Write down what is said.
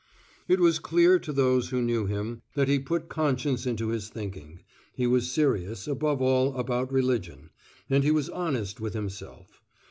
It was clear to those who knew him that he put conscience into his thinking he was serious, above all about religion, and he was honest with himself.